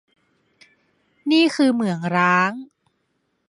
นี่คือเหมืองร้าง